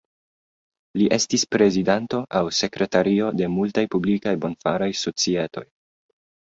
Li estis prezidanto aŭ sekretario de multaj publikaj bonfaraj societoj.